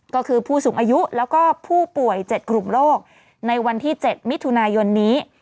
ก็คือผู้สูงอายุแล้วก็ผู้ป่วย๗กลุ่มโลกในวันที่๗มิถุนายนนี้